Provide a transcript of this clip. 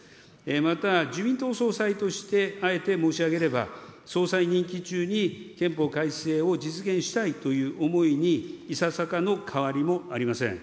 また自民党総裁としてあえて申し上げれば、総裁任期中に憲法改正を実現したいという思いに、いささかの変わりもありません。